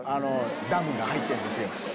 ＤＡＭが入ってるんですよ。